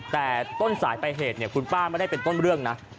แต่ต้นสายไปเหตุคุณป้าไม่ได้เป็นต้นเรื่องนะ